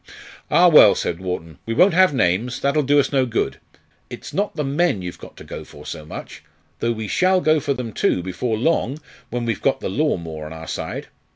"Ah, well," said Wharton, "we won't have names; that'll do us no good. It's not the men you've got to go for so much though we shall go for them too before long when we've got the law more on our side.